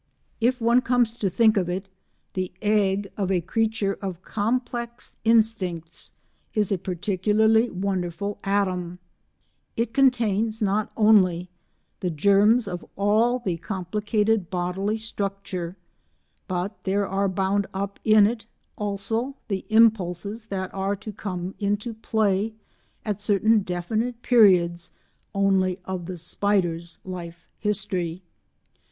If one comes to think of it, the egg of a creature of complex instincts is a particularly wonderful atom; it contains not only the germs of all the complicated bodily structure, but there are bound up in it also the impulses that are to come into play at certain definite periods only of the spider's life history.